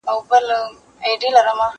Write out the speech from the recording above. زه پرون انځورونه رسم کوم،